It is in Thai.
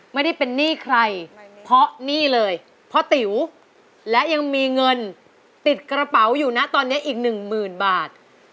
ไม่ได้เป็นหนี้ใครเพราะหนี้เลยพ่อติ๋วและยังมีเงินติดกระเป๋าอยู่นะตอนนี้อีกหนึ่งหมื่นบาท